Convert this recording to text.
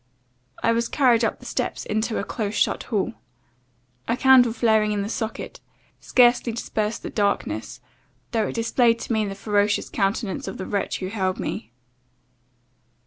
I was carried up the steps into a close shut hall. A candle flaring in the socket, scarcely dispersed the darkness, though it displayed to me the ferocious countenance of the wretch who held me.